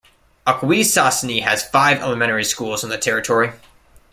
Akwesasne has five elementary schools on the territory.